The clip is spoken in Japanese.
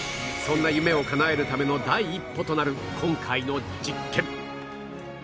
そんな夢をかなえるための第一歩となる今回の実験